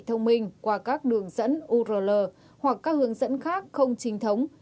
thông minh qua các đường dẫn url hoặc các hướng dẫn khác không chính thống